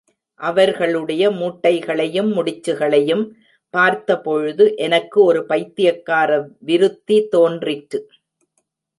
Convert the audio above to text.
அவர்களுடைய மூட்டைகளையும், முடிச்சுகளையும் பார்த்தபொழுது எனக்கு ஒரு பைத்தியக்கார விருத்தி தோன்றிற்று.